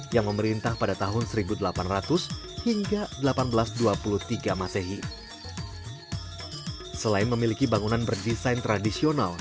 yang memerintah pada tahun seribu delapan ratus hingga seribu delapan ratus dua puluh